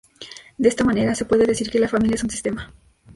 De esta manera se puede decir que la familia es un sistema.